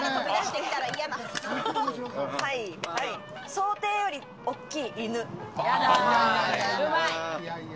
想定より大きい犬。